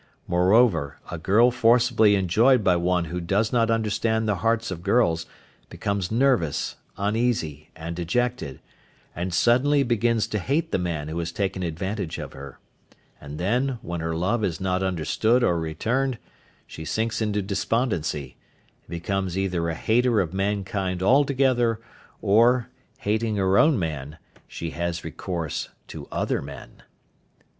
Moreover, a girl forcibly enjoyed by one who does not understand the hearts of girls becomes nervous, uneasy, and dejected, and suddenly begins to hate the man who has taken advantage of her; and then, when her love is not understood or returned, she sinks into despondency, and becomes either a hater of mankind altogether, or, hating her own man, she has recourse to other men.